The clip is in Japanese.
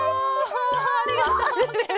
ありがとうケロ。